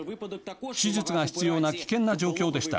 手術が必要な危険な状況でした。